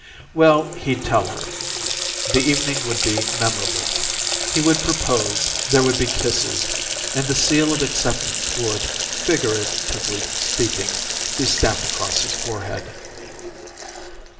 Well, he'd tell her. The evening would be memorable. He would propose, there would be kisses, and the seal of acceptance would, figuratively speaking, be stamped across his forehead.